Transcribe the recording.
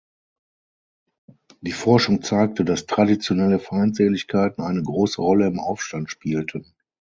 Die Forschung zeigte, dass traditionelle Feindseligkeiten eine große Rolle im Aufstand spielten.